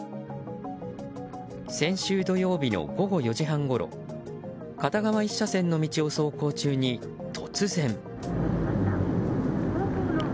先週土曜日の午後４時半ごろ片側１車線の道を走行中に突然。